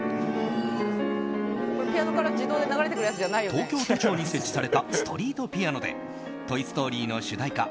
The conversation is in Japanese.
東京都庁に設置されたストリートピアノで「トイ・ストーリー」の主題歌